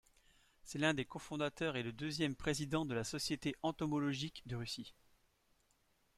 C'est l'un des cofondateurs et le deuxième président de la Société entomologique de Russie.